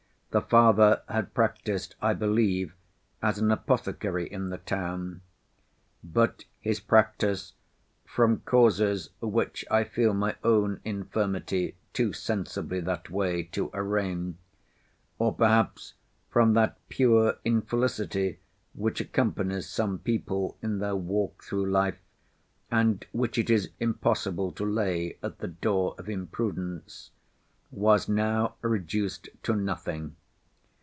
The father had practised, I believe, as an apothecary in the town. But his practice from causes which I feel my own infirmity too sensibly that way to arraign—or perhaps from that pure infelicity which accompanies some people in their walk through life, and which it is impossible to lay at the door of imprudence—was now reduced to nothing.